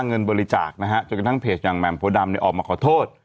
เงินบริจาคนะฮะจนกระทั่งเพจอย่างแหม่มโพดำเนี่ยออกมาขอโทษ